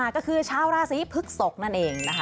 ก็คือชาวราศีพฤกษกนั่นเองนะคะ